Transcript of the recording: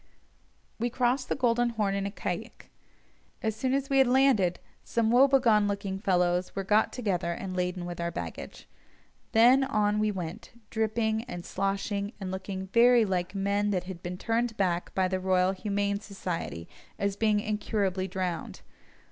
We crossed the Golden Horn in a caïque. As soon as we had landed, some woebegone looking fellows were got together and laden with our baggage. Then on we went, dripping, and sloshing, and looking very like men that had been turned back by the Royal Humane Society as being incurably drowned.